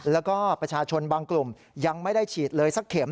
แล้วก็ประชาชนบางกลุ่มยังไม่ได้ฉีดเลยสักเข็ม